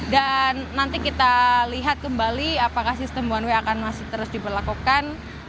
dan nanti kita lihat kembali apakah sistem one way akan masih terus diberlakukan